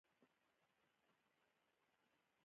د افغانستان ازادي زنده باد.